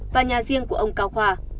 và nhà riêng của ông cao khoa